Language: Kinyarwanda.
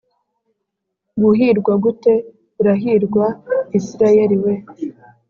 Guhirwa gute urahirwa isirayeli we